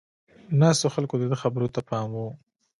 ناستو خلکو د ده خبرو ته پام و.